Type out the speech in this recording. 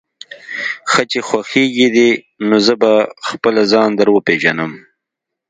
ښه چې خوښېږي دې، نو زه به خپله ځان در وپېژنم.